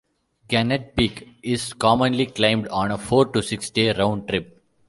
Gannett Peak is commonly climbed on a four- to six-day round-trip.